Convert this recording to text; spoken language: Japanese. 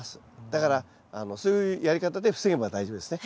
だからそういうやり方で防げば大丈夫ですね。